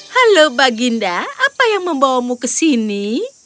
halo baginda apa yang membawamu ke sini